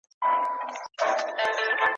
څو پړسېدلي د پردیو په کولمو ټپوسان